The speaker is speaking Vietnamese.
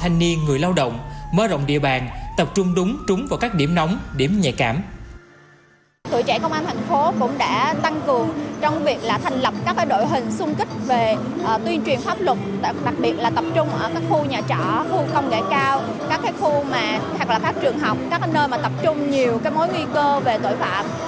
đặc biệt là tập trung ở các khu nhà trỏ khu công nghệ cao các khu mà thật là phát trường học các nơi mà tập trung nhiều cái mối nguy cơ về tội phạm